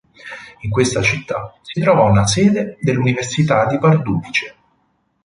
In questa città si trova una sede dell'Università di Pardubice.